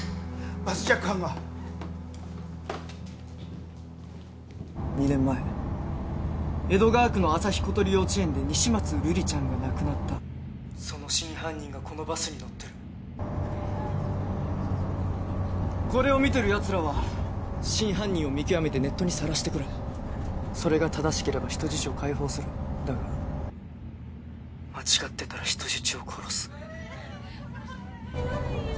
バスジャック犯が２年前江戸川区の朝日ことり幼稚園で西松瑠璃ちゃんが亡くなったその真犯人がこのバスに乗ってるこれを見てるやつらは真犯人を見極めてネットにさらしてくれそれが正しければ人質を解放するだが間違ってたら人質を殺す・怖いよ